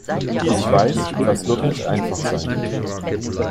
Ich weiß, das wird nicht einfach sein.